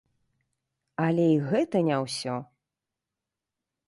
Але і гэта не ўсё!